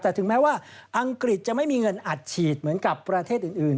แต่ถึงแม้ว่าอังกฤษจะไม่มีเงินอัดฉีดเหมือนกับประเทศอื่น